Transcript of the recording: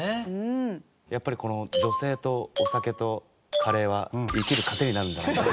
やっぱりこの女性とお酒とカレーは生きる糧になるんだなと。